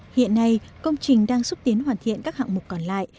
hiện nay công trình đang xúc tiến hoàn thiện các hạng mục còn lại